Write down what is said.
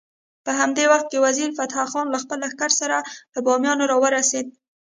په همدې وخت کې وزیر فتح خان له خپل لښکر سره له بامیانو راورسېد.